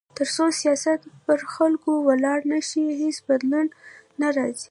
تر څو سیاست پر خلکو ولاړ نه شي، هیڅ بدلون نه راځي.